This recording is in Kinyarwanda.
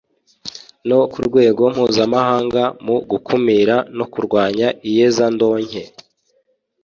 No ku rwego mpuzamahanga mu gukumira no kurwanya iyezandonke